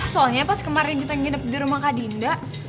soalnya pas kemarin kita nginep di rumah kak dinda